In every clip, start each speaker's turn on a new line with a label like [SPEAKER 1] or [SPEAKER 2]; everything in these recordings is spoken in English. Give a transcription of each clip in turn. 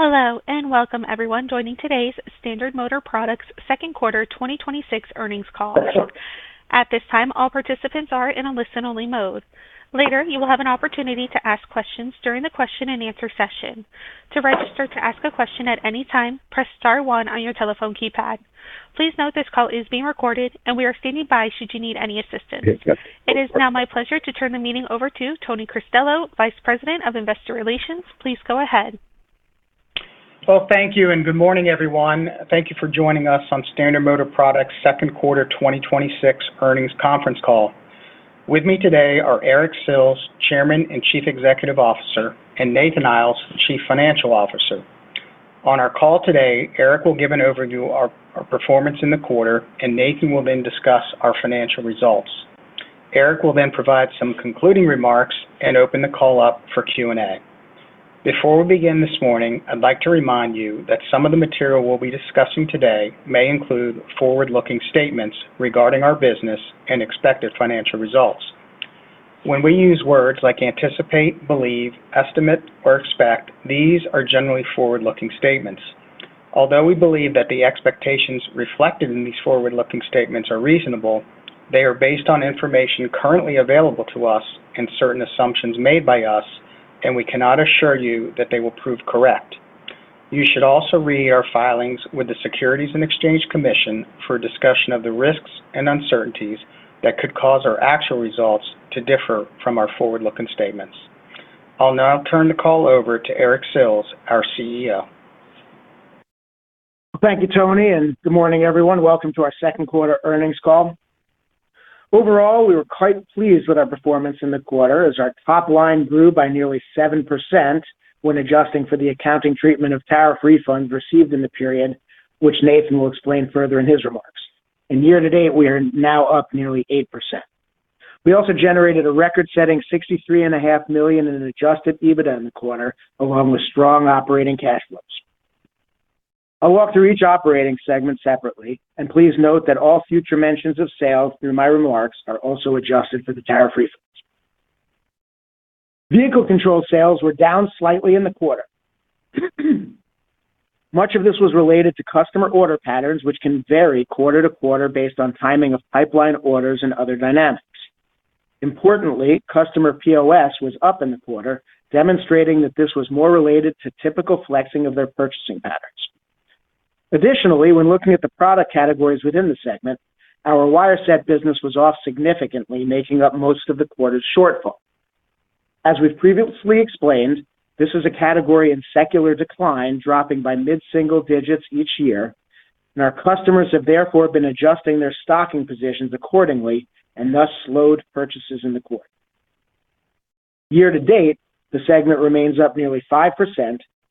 [SPEAKER 1] Welcome everyone joining today's Standard Motor Products second quarter 2026 earnings call. At this time, all participants are in a listen only mode. Later, you will have an opportunity to ask questions during the question and answer session. To register to ask a question at any time, press star one on your telephone keypad. Please note this call is being recorded and we are standing by should you need any assistance.
[SPEAKER 2] Yes.
[SPEAKER 1] It is now my pleasure to turn the meeting over to Tony Cristello, Vice President of Investor Relations. Please go ahead.
[SPEAKER 2] Thank you and good morning everyone. Thank you for joining us on Standard Motor Products second quarter 2026 earnings conference call. With me today are Eric Sills, Chairman and Chief Executive Officer, and Nathan Iles, Chief Financial Officer. On our call today, Eric will give an overview our performance in the quarter. Nathan will then discuss our financial results. Eric will then provide some concluding remarks and open the call up for Q&A. Before we begin this morning, I'd like to remind you that some of the material we'll be discussing today may include forward-looking statements regarding our business and expected financial results. When we use words like anticipate, believe, estimate, or expect, these are generally forward-looking statements. Although we believe that the expectations reflected in these forward-looking statements are reasonable, they are based on information currently available to us and certain assumptions made by us. We cannot assure you that they will prove correct. You should also read our filings with the Securities and Exchange Commission for a discussion of the risks and uncertainties that could cause our actual results to differ from our forward-looking statements. I'll now turn the call over to Eric Sills, our CEO.
[SPEAKER 3] Thank you, Tony, and good morning everyone. Welcome to our second quarter earnings call. Overall, we were quite pleased with our performance in the quarter as our top line grew by nearly 7% when adjusting for the accounting treatment of tariff refunds received in the period, which Nathan will explain further in his remarks. Year-to-date, we are now up nearly 8%. We also generated a record-setting $63.5 million in an adjusted EBITDA in the quarter, along with strong operating cash flows. I will walk through each operating segment separately, please note that all future mentions of sales through my remarks are also adjusted for the tariff refunds. Vehicle Control sales were down slightly in the quarter. Much of this was related to customer order patterns, which can vary quarter to quarter based on timing of pipeline orders and other dynamics. Importantly, customer POS was up in the quarter, demonstrating that this was more related to typical flexing of their purchasing patterns. Additionally, when looking at the product categories within the segment, our wire set business was off significantly, making up most of the quarter's shortfall. As we have previously explained, this is a category in secular decline, dropping by mid-single digits each year, our customers have therefore been adjusting their stocking positions accordingly and thus slowed purchases in the quarter. Year-to-date, the segment remains up nearly 5%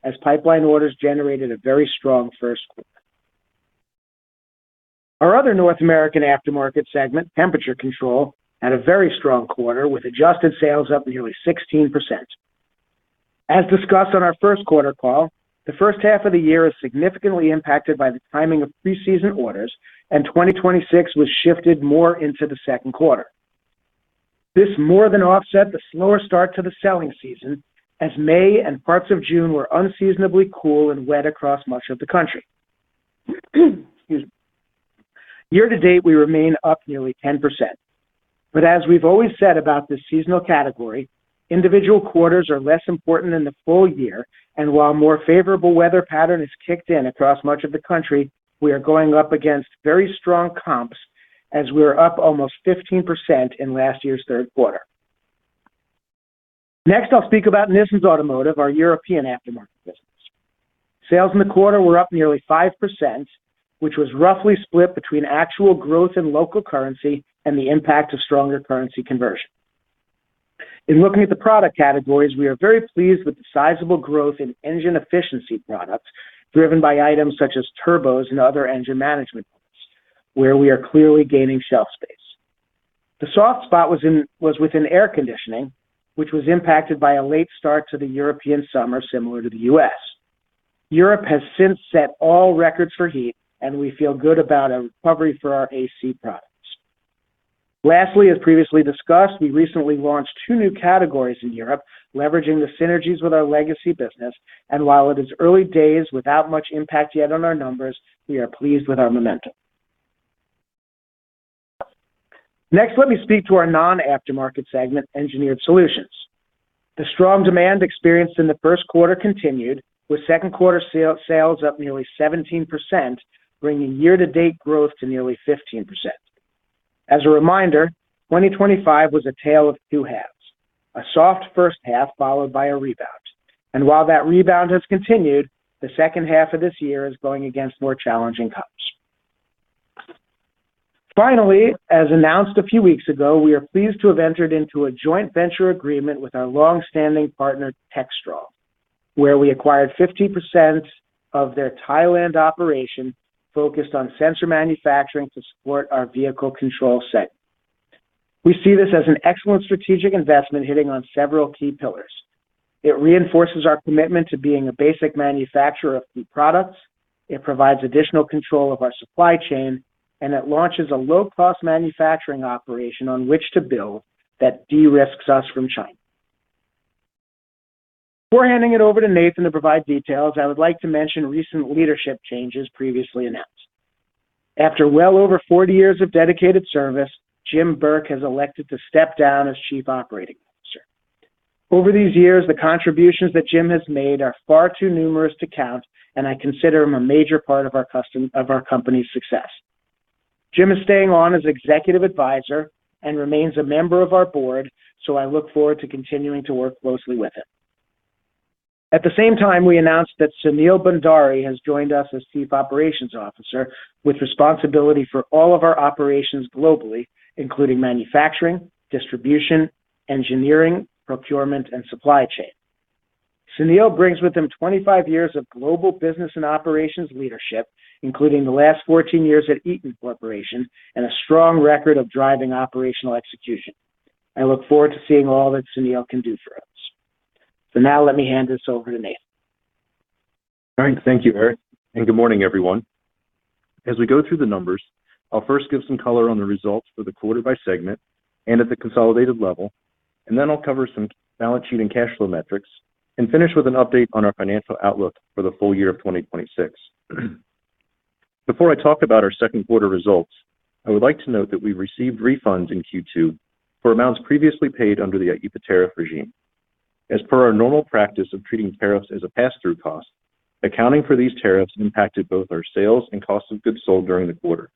[SPEAKER 3] as pipeline orders generated a very strong first quarter. Our other North American aftermarket segment, Temperature Control, had a very strong quarter with adjusted sales up nearly 16%. As discussed on our first quarter call, the first half of the year is significantly impacted by the timing of preseason orders, 2026 was shifted more into the second quarter. This more than offset the slower start to the selling season as May and parts of June were unseasonably cool and wet across much of the country. Excuse me. Year-to-date, we remain up nearly 10%. As we have always said about this seasonal category, individual quarters are less important than the full year, while more favorable weather pattern has kicked in across much of the country, we are going up against very strong comps as we are up almost 15% in last year's third quarter. Next, I will speak about Nissens Automotive, our European aftermarket business. Sales in the quarter were up nearly 5%, which was roughly split between actual growth in local currency and the impact of stronger currency conversion. In looking at the product categories, we are very pleased with the sizable growth in engine efficiency products driven by items such as turbos and other engine management parts, where we are clearly gaining shelf space. The soft spot was within air conditioning, which was impacted by a late start to the European summer, similar to the U.S. Europe has since set all records for heat, we feel good about a recovery for our AC products. Lastly, as previously discussed, we recently launched two new categories in Europe, leveraging the synergies with our legacy business, while it is early days without much impact yet on our numbers, we are pleased with our momentum. Next, let me speak to our non-aftermarket segment, Engineered Solutions. The strong demand experienced in the first quarter continued with second quarter sales up nearly 17%, bringing year-to-date growth to nearly 15%. As a reminder, 2025 was a tale of two halves. A soft first half followed by a rebound. While that rebound has continued, the second half of this year is going against more challenging comps. Finally, as announced a few weeks ago, we are pleased to have entered into a joint venture agreement with our longstanding partner, Techstrong, where we acquired 50% of their Thailand operation focused on sensor manufacturing to support our Vehicle Control segment. We see this as an excellent strategic investment hitting on several key pillars. It reinforces our commitment to being a basic manufacturer of key products. It provides additional control of our supply chain, and it launches a low-cost manufacturing operation on which to build that de-risks us from China. Before handing it over to Nathan to provide details, I would like to mention recent leadership changes previously announced. After well over 40 years of dedicated service, Jim Burke has elected to step down as Chief Operating Officer. Over these years, the contributions that Jim has made are far too numerous to count, and I consider him a major part of our company's success. Jim is staying on as executive advisor and remains a member of our board. I look forward to continuing to work closely with him. At the same time, we announced that Sunil Bhandari has joined us as Chief Operations Officer, with responsibility for all of our operations globally, including manufacturing, distribution, engineering, procurement, and supply chain. Sunil brings with him 25 years of global business and operations leadership, including the last 14 years at Eaton Corporation, and a strong record of driving operational execution. I look forward to seeing all that Sunil can do for us. Now let me hand this over to Nathan.
[SPEAKER 4] All right. Thank you, Eric, and good morning, everyone. As we go through the numbers, I'll first give some color on the results for the quarter by segment and at the consolidated level, and then I'll cover some balance sheet and cash flow metrics and finish with an update on our financial outlook for the full year of 2026. Before I talk about our second quarter results, I would like to note that we received refunds in Q2 for amounts previously paid under the IEPA tariff regime. As per our normal practice of treating tariffs as a pass-through cost, accounting for these tariffs impacted both our sales and cost of goods sold during the quarter.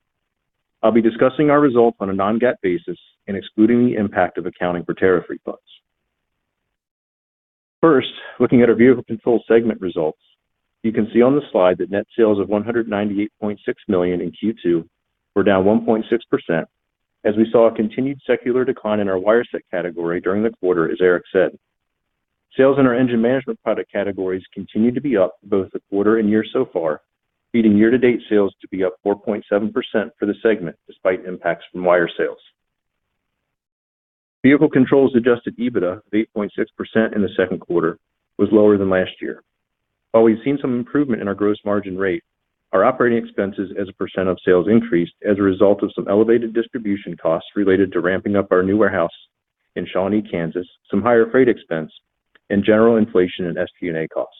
[SPEAKER 4] I'll be discussing our results on a non-GAAP basis and excluding the impact of accounting for tariff refunds. First, looking at our Vehicle Control segment results, you can see on the slide that net sales of $198.6 million in Q2 were down 1.6% as we saw a continued secular decline in our wire set category during the quarter, as Eric said. Sales in our engine management product categories continued to be up both the quarter and year so far, leading year-to-date sales to be up 4.7% for the segment despite impacts from wire sales. Vehicle Control adjusted EBITDA of 8.6% in the second quarter was lower than last year. While we've seen some improvement in our gross margin rate, our operating expenses as a percent of sales increased as a result of some elevated distribution costs related to ramping up our new warehouse in Shawnee, Kansas, some higher freight expense, and general inflation and SG&A costs.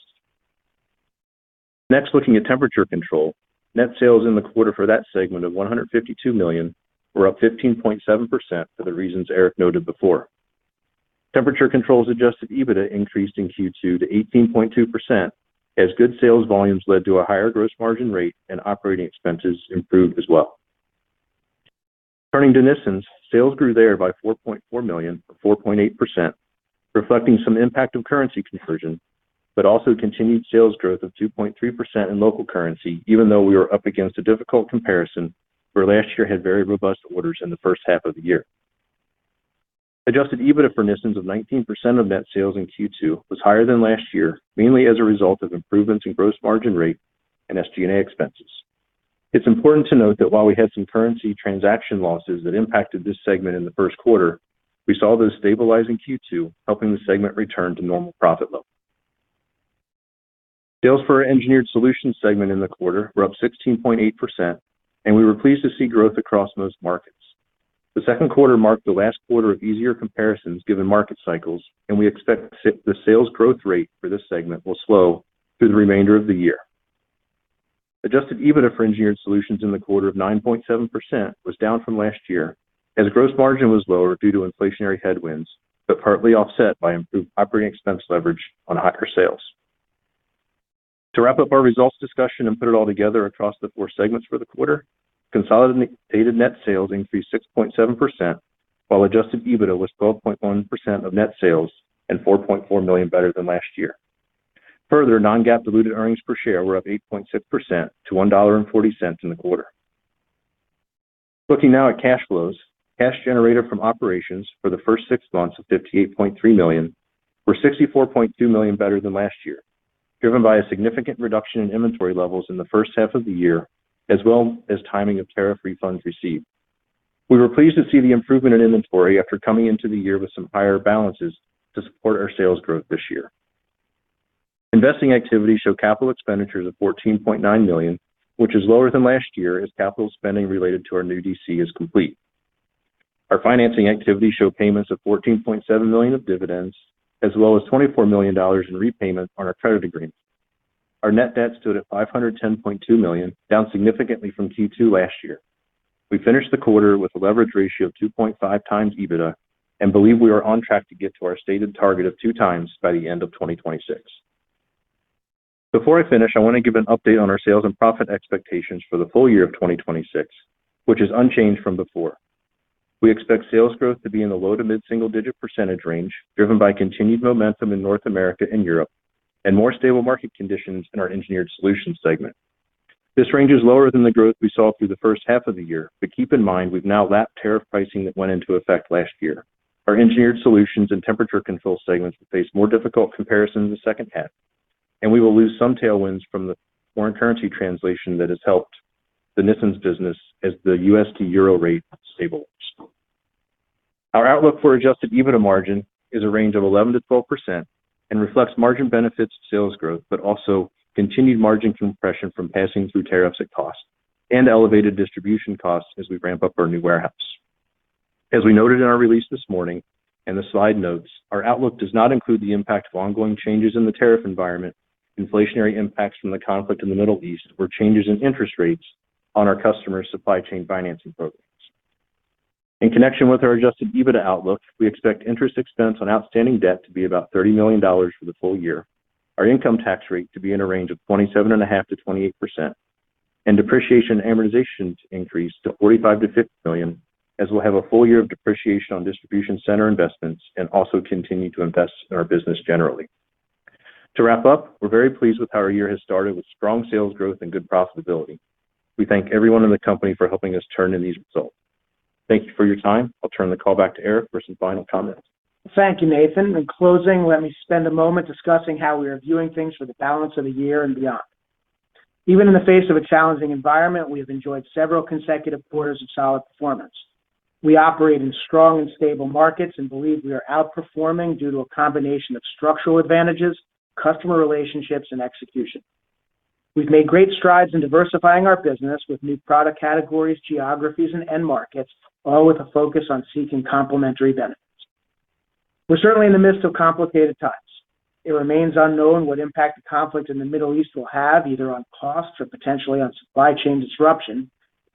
[SPEAKER 4] Next, looking at Temperature Control, net sales in the quarter for that segment of $152 million were up 15.7% for the reasons Eric noted before. Temperature Control's adjusted EBITDA increased in Q2 to 18.2% as good sales volumes led to a higher gross margin rate and operating expenses improved as well. Turning to Nissens. Sales grew there by $4.4 million or 4.8%, reflecting some impact of currency conversion, but also continued sales growth of 2.3% in local currency, even though we were up against a difficult comparison where last year had very robust orders in the first half of the year. Adjusted EBITDA for Nissens of 19% of net sales in Q2 was higher than last year, mainly as a result of improvements in gross margin rate and SG&A expenses. It's important to note that while we had some currency transaction losses that impacted this segment in the first quarter, we saw those stabilize in Q2, helping the segment return to normal profit levels. Sales for our Engineered Solutions segment in the quarter were up 16.8%, and we were pleased to see growth across most markets. The second quarter marked the last quarter of easier comparisons given market cycles, and we expect the sales growth rate for this segment will slow through the remainder of the year. Adjusted EBITDA for Engineered Solutions in the quarter of 9.7% was down from last year as gross margin was lower due to inflationary headwinds, but partly offset by improved operating expense leverage on higher sales. To wrap up our results discussion and put it all together across the four segments for the quarter, consolidated net sales increased 6.7%, while adjusted EBITDA was 12.1% of net sales and $4.4 million better than last year. Further, non-GAAP diluted earnings per share were up 8.6% to $1.40 in the quarter. Looking now at cash flows. Cash generated from operations for the first six months of $58.3 million were $64.2 million better than last year, driven by a significant reduction in inventory levels in the first half of the year, as well as timing of tariff refunds received. We were pleased to see the improvement in inventory after coming into the year with some higher balances to support our sales growth this year. Investing activities show capital expenditures of $14.9 million, which is lower than last year as capital spending related to our new DC is complete. Our financing activities show payments of $14.7 million of dividends as well as $24 million in repayments on our credit agreements. Our net debt stood at $510.2 million, down significantly from Q2 last year. We finished the quarter with a leverage ratio of 2.5x EBITDA and believe we are on track to get to our stated target of 2x by the end of 2026. Before I finish, I want to give an update on our sales and profit expectations for the full year of 2026, which is unchanged from before. We expect sales growth to be in the low to mid-single digit percentage range, driven by continued momentum in North America and Europe and more stable market conditions in our Engineered Solutions segment. This range is lower than the growth we saw through the first half of the year, but keep in mind we've now lapped tariff pricing that went into effect last year. Our Engineered Solutions and Temperature Control segments will face more difficult comparisons in the second half, and we will lose some tailwinds from the foreign currency translation that has helped the Nissens business as the USD-Euro rate stable. Our outlook for adjusted EBITDA margin is a range of 11%-12% and reflects margin benefits to sales growth, but also continued margin compression from passing through tariffs at cost and elevated distribution costs as we ramp up our new warehouse. As we noted in our release this morning and the slide notes, our outlook does not include the impact of ongoing changes in the tariff environment, inflationary impacts from the conflict in the Middle East, or changes in interest rates on our customer supply chain financing programs. In connection with our adjusted EBITDA outlook, we expect interest expense on outstanding debt to be about $30 million for the full year, our income tax rate to be in a range of 27.5%-28%, and depreciation amortization to increase to $45 million-$50 million, as we'll have a full year of depreciation on distribution center investments and also continue to invest in our business generally. To wrap up, we're very pleased with how our year has started with strong sales growth and good profitability. We thank everyone in the company for helping us turn in these results. Thank you for your time. I'll turn the call back to Eric for some final comments.
[SPEAKER 3] Thank you, Nathan. In closing, let me spend a moment discussing how we are viewing things for the balance of the year and beyond. Even in the face of a challenging environment, we have enjoyed several consecutive quarters of solid performance. We operate in strong and stable markets and believe we are outperforming due to a combination of structural advantages, customer relationships, and execution. We've made great strides in diversifying our business with new product categories, geographies, and end markets, all with a focus on seeking complementary benefits. We're certainly in the midst of complicated times. It remains unknown what impact the conflict in the Middle East will have, either on costs or potentially on supply chain disruption,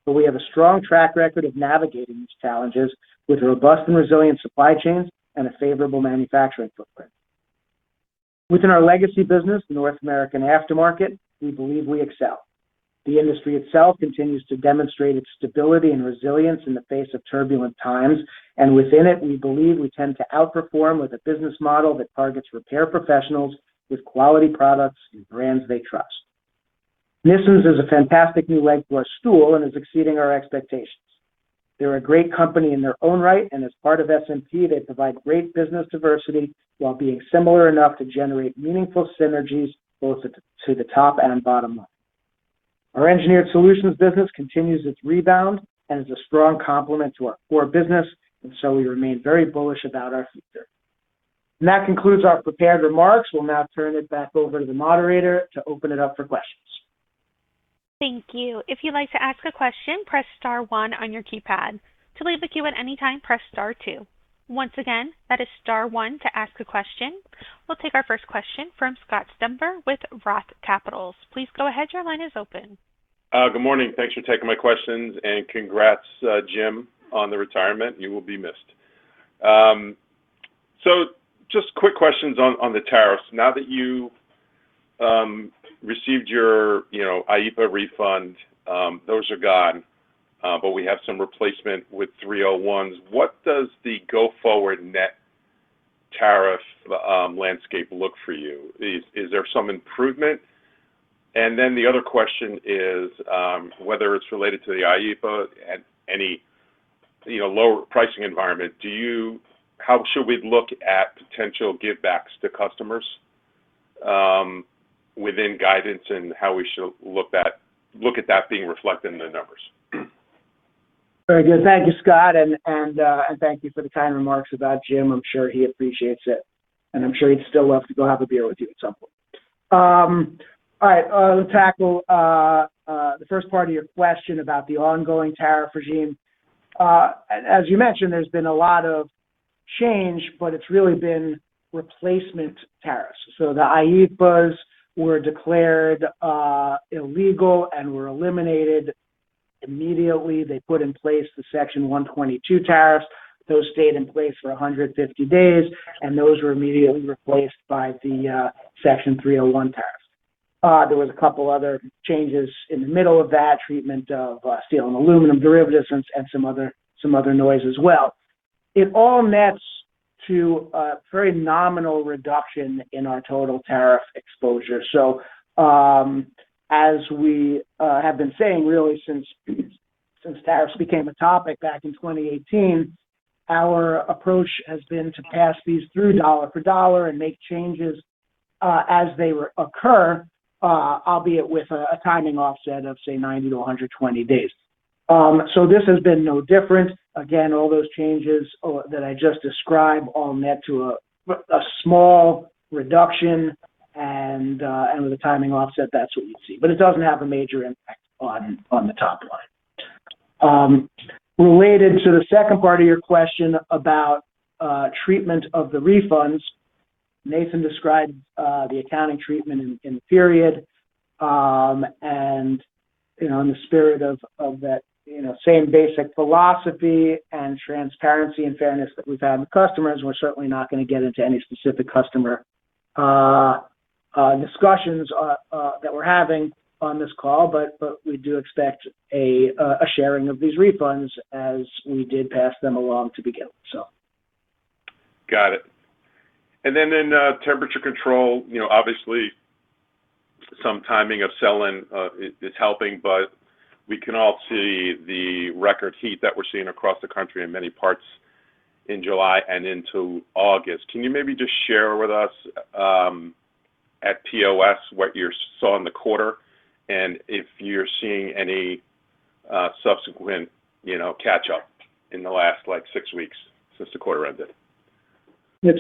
[SPEAKER 3] but we have a strong track record of navigating these challenges with robust and resilient supply chains and a favorable manufacturing footprint. Within our legacy business, the North American aftermarket, we believe we excel. The industry itself continues to demonstrate its stability and resilience in the face of turbulent times, and within it, we believe we tend to outperform with a business model that targets repair professionals with quality products and brands they trust. Nissens is a fantastic new leg to our stool and is exceeding our expectations. They're a great company in their own right, and as part of SMP, they provide great business diversity while being similar enough to generate meaningful synergies both to the top and bottom line. Our Engineered Solutions business continues its rebound and is a strong complement to our core business. We remain very bullish about our future. That concludes our prepared remarks. We'll now turn it back over to the moderator to open it up for questions.
[SPEAKER 1] Thank you. If you'd like to ask a question, press star one on your keypad. To leave the queue at any time, press star two. Once again, that is star one to ask a question. We'll take our first question from Scott Stember with Roth Capital. Please go ahead. Your line is open.
[SPEAKER 5] Good morning. Thanks for taking my questions, and congrats, Jim, on the retirement. You will be missed. Just quick questions on the tariffs. Now that you've received your IEPA refund, those are gone, but we have some replacement with 301s. What does the go-forward net tariff landscape look for you? Is there some improvement? The other question is whether it's related to the IEPA at any lower pricing environment. How should we look at potential givebacks to customers within guidance and how we should look at that being reflected in the numbers?
[SPEAKER 3] Very good. Thank you, Scott, and thank you for the kind remarks about Jim. I'm sure he appreciates it, and I'm sure he'd still love to go have a beer with you at some point. All right. Let's tackle the first part of your question about the ongoing tariff regime. As you mentioned, there's been a lot of change, but it's really been replacement tariffs. The IEPAs were declared illegal and were eliminated immediately. They put in place the Section 122 tariffs. Those stayed in place for 150 days, and those were immediately replaced by the Section 301 tariffs. There was a couple other changes in the middle of that, treatment of steel and aluminum derivatives and some other noise as well. It all nets to a very nominal reduction in our total tariff exposure. As we have been saying really since tariffs became a topic back in 2018, our approach has been to pass these through dollar for dollar and make changes as they occur, albeit with a timing offset of, say, 90 to 120 days. This has been no different. Again, all those changes that I just described all net to a small reduction, and with the timing offset, that's what we'd see. It doesn't have a major impact on the top line. Related to the second part of your question about treatment of the refunds, Nathan described the accounting treatment in period. In the spirit of that same basic philosophy and transparency and fairness that we've had with customers, we're certainly not going to get into any specific customer discussions that we're having on this call, we do expect a sharing of these refunds as we did pass them along to begin with.
[SPEAKER 5] Got it. Then in Temperature Control, obviously some timing of selling is helping, we can all see the record heat that we're seeing across the country in many parts in July and into August. Can you maybe just share with us at POS, what you saw in the quarter, and if you're seeing any subsequent catch-up in the last six weeks since the quarter ended.
[SPEAKER 3] Yeah.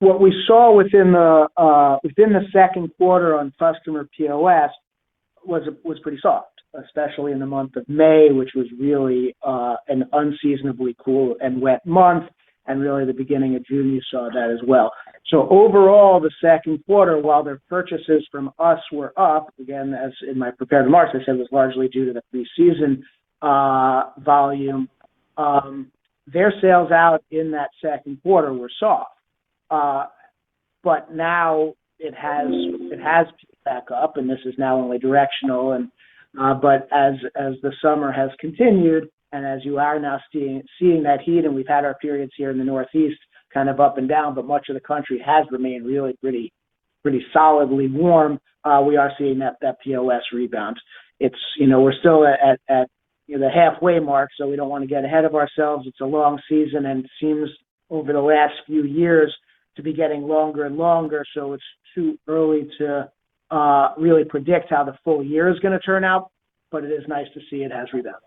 [SPEAKER 3] What we saw within the second quarter on customer POS was pretty soft, especially in the month of May, which was really an unseasonably cool and wet month, and really the beginning of June you saw that as well. Overall, the second quarter, while their purchases from us were up, again, as in my prepared remarks, I said was largely due to the pre-season volume, their sales out in that second quarter were soft. Now it has picked back up, and this is now only directional and but as the summer has continued, and as you are now seeing that heat, and we've had our periods here in the Northeast kind of up and down, but much of the country has remained really pretty solidly warm, we are seeing that POS rebound. We're still at the halfway mark, we don't want to get ahead of ourselves. It's a long season, it seems over the last few years to be getting longer and longer, it's too early to really predict how the full year is going to turn out, it is nice to see it has rebound.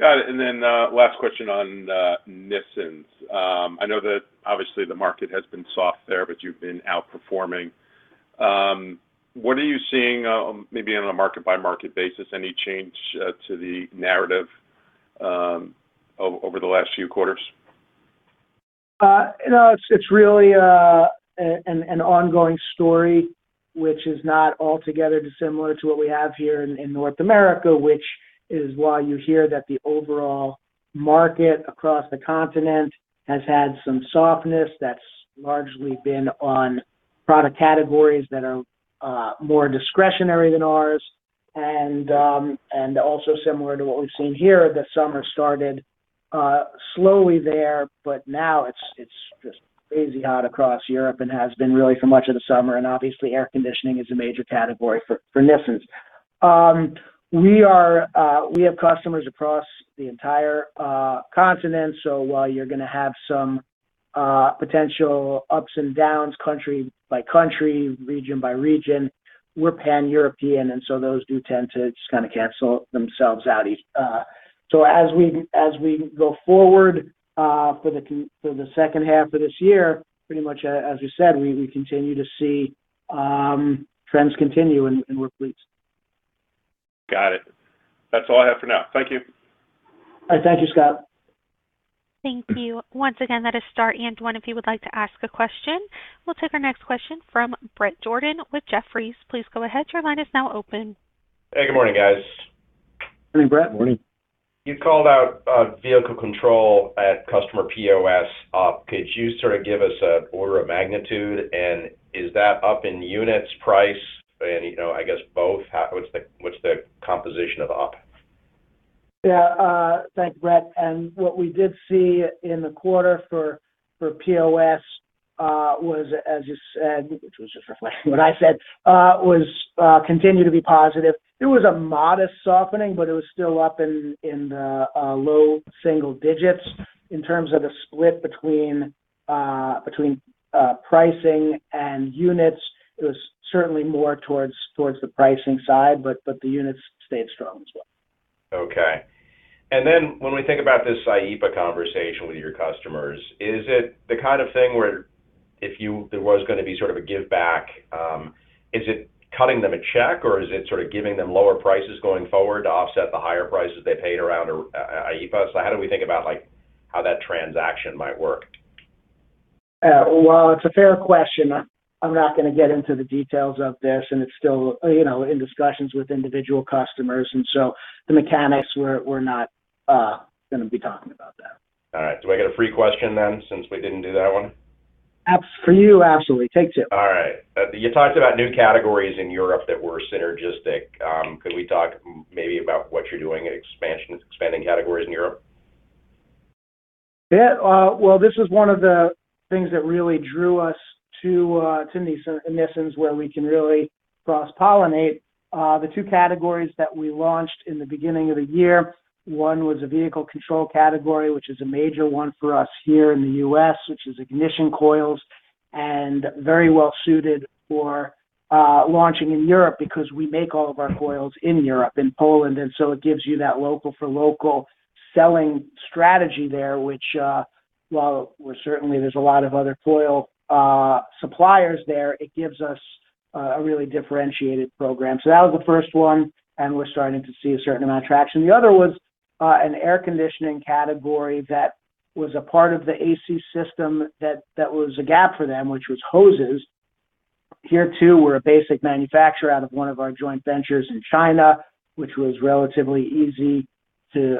[SPEAKER 5] Got it. Last question on Nissens. I know that obviously the market has been soft there, you've been outperforming. What are you seeing maybe on a market-by-market basis? Any change to the narrative over the last few quarters?
[SPEAKER 3] No, it's really an ongoing story which is not altogether dissimilar to what we have here in North America, which is why you hear that the overall market across the continent has had some softness that's largely been on product categories that are more discretionary than ours. Also similar to what we've seen here, the summer started slowly there, now it's just crazy hot across Europe and has been really for much of the summer, obviously air conditioning is a major category for Nissens. We have customers across the entire continent, while you're going to have some potential ups and downs, country by country, region by region, we're pan-European, those do tend to just kind of cancel themselves out. As we go forward for the second half of this year, pretty much as you said, we continue to see trends continue, and we're pleased.
[SPEAKER 5] Got it. That's all I have for now. Thank you.
[SPEAKER 3] All right. Thank you, Scott.
[SPEAKER 1] Thank you. Once again, that is star and one if you would like to ask a question. We'll take our next question from Bret Jordan with Jefferies. Please go ahead. Your line is now open.
[SPEAKER 6] Hey, good morning, guys.
[SPEAKER 3] Hey, Bret. Morning.
[SPEAKER 6] You called out Vehicle Control at customer POS op. Could you sort of give us an order of magnitude? Is that up in units, price, and I guess both? What's the composition of the op?
[SPEAKER 3] Yeah. Thanks, Bret. What we did see in the quarter for POS was, as you said, which was just reflecting what I said, was continue to be positive. It was a modest softening, but it was still up in the low single digits. In terms of the split between pricing and units, it was certainly more towards the pricing side, but the units stayed strong as well.
[SPEAKER 6] Okay. When we think about this IEPA conversation with your customers, is it the kind of thing where if there was going to be sort of a give back, is it cutting them a check or is it sort of giving them lower prices going forward to offset the higher prices they paid around IEPA? How do we think about how that transaction might work?
[SPEAKER 3] Well, it's a fair question. I'm not going to get into the details of this, it's still in discussions with individual customers, the mechanics, we're not going to be talking about that.
[SPEAKER 6] All right. Do I get a free question then since we didn't do that one?
[SPEAKER 3] For you, absolutely. Take two.
[SPEAKER 6] All right. You talked about new categories in Europe that were synergistic. Could we talk maybe about what you're doing in expanding categories in Europe?
[SPEAKER 3] Yeah. Well, this was one of the things that really drew us to Nissens where we can really cross-pollinate the two categories that we launched in the beginning of the year. One was a Vehicle Control category, which is a major one for us here in the U.S., which is ignition coils, and very well suited for launching in Europe because we make all of our coils in Europe, in Poland. It gives you that local for local selling strategy there, which while certainly there's a lot of other coil suppliers there, it gives us a really differentiated program. That was the first one, and we're starting to see a certain amount of traction. The other was an air conditioning category that was a part of the AC system that was a gap for them, which was hoses. Here too, we're a basic manufacturer out of one of our joint ventures in China, which was relatively easy to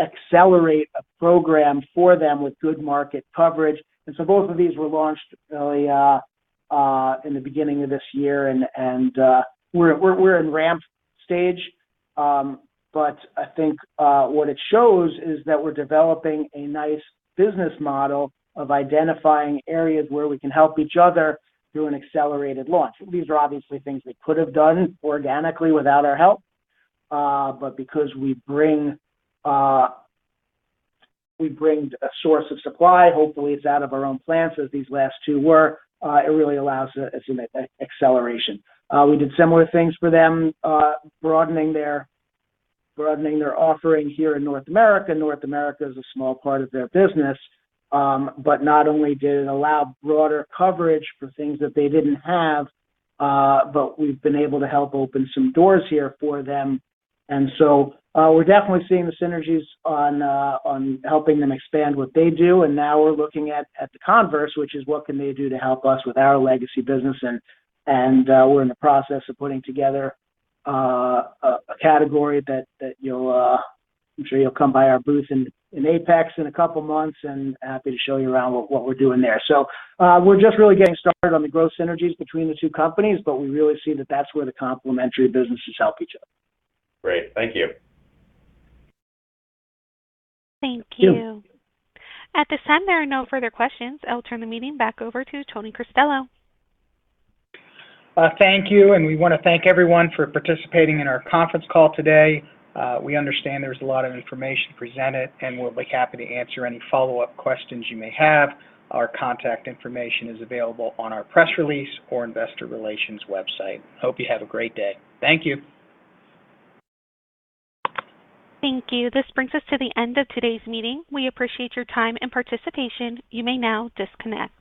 [SPEAKER 3] accelerate a program for them with good market coverage. Both of these were launched early in the beginning of this year, and we're in ramp stage. I think what it shows is that we're developing a nice business model of identifying areas where we can help each other do an accelerated launch. These are obviously things they could have done organically without our help, but because we bring a source of supply, hopefully it's out of our own plants as these last two were, it really allows as you mentioned, acceleration. We did similar things for them, broadening their offering here in North America. North America is a small part of their business. Not only did it allow broader coverage for things that they didn't have, but we've been able to help open some doors here for them. We're definitely seeing the synergies on helping them expand what they do, and now we're looking at the converse, which is what can they do to help us with our legacy business, and we're in the process of putting together a category that I'm sure you'll come by our booth in APEX in a couple of months, and happy to show you around what we're doing there. We're just really getting started on the growth synergies between the two companies, but we really see that that's where the complementary businesses help each other.
[SPEAKER 6] Great. Thank you.
[SPEAKER 1] Thank you. At this time, there are no further questions. I'll turn the meeting back over to Tony Cristello.
[SPEAKER 2] Thank you. We want to thank everyone for participating in our conference call today. We understand there was a lot of information presented. We'll be happy to answer any follow-up questions you may have. Our contact information is available on our press release or investor relations website. Hope you have a great day. Thank you.
[SPEAKER 1] Thank you. This brings us to the end of today's meeting. We appreciate your time and participation. You may now disconnect.